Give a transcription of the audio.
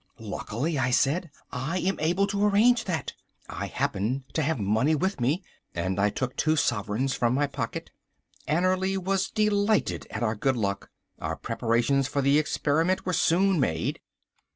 "Luckily," I said, "I am able to arrange that. I happen to have money with me." And I took two sovereigns from my pocket. Annerly was delighted at our good luck. Our preparations for the experiment were soon made.